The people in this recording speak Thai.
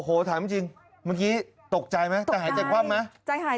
ใครตอบถามจริงตกใจมั้ยหายใจคว่ำมั้ย